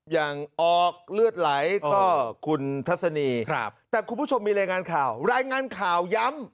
อย่างออกเลือดไหลก็คุณทัศนีแต่คุณผู้ชมมีรายงานข่าวรายงานข่าวย้ำ